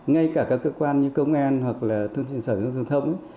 ngay cả các cơ quan như công an hoặc là thương trình sở dân thông